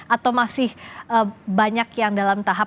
atau masih banyak yang dalam tahap